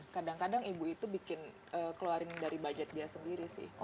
kadang kadang ibu itu bikin keluarin dari budget dia sendiri sih